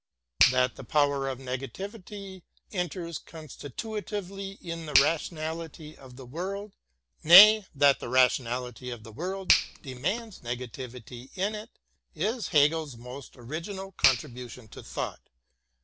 That the power of negativity enters constitutively into the rationality of the world, nay, 8 THE GERMAN CLASSICS that the rationality of the world demands negativity in it, is Hegel's most original contribution to thought.